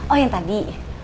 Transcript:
oh yang tadi